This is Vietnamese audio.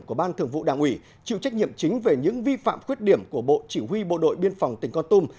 của ban thường vụ đảng ủy chịu trách nhiệm chính về những vi phạm khuyết điểm của bộ chỉ huy bộ đội biên phòng tỉnh con tum